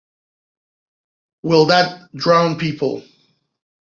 Will that drown people?